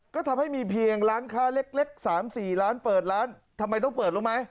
ก็ทำให้มีเพียงร้านค้าเล็ก๓๔ล้านเปิดร้านทำไมต้องเปิดรู้ไหม